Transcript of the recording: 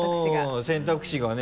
うん選択肢がね。